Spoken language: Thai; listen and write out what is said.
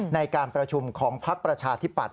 ในการประชุมของพักประชาธิปัตย